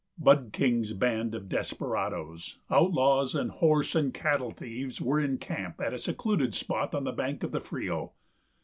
Bud King's band of desperadoes, outlaws and horse and cattle thieves were in camp at a secluded spot on the bank of the Frio.